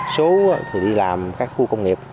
số thì đi làm các khu công nghiệp